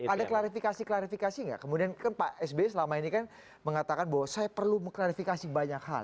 ada klarifikasi klarifikasi nggak kemudian kan pak sby selama ini kan mengatakan bahwa saya perlu mengklarifikasi banyak hal